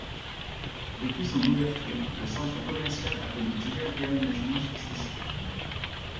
Depuis son ouverture, le centre commercial a connu divers réaménagements successifs.